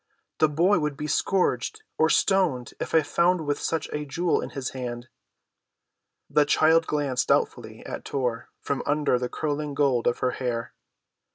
The boy would be scourged or stoned if found with such a jewel in his hand." The child glanced doubtfully at Tor from under the curling gold of her hair.